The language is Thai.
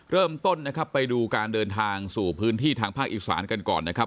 เริ่มต้นนะครับไปดูการเดินทางสู่พื้นที่ทางภาคอีสานกันก่อนนะครับ